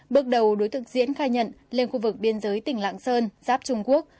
bước đầu đối tượng diễn khai nhận lên khu vực biên giới tỉnh lạng sơn giáp trung quốc